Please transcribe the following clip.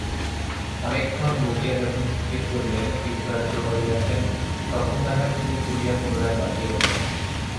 অনেকক্ষণ বকিয়া যখন স্থির করিলেন কৃতকার্য হইয়াছেন তখন তাহার চুল খুলিয়া পুনরায় বাঁধিয়া দিলেন।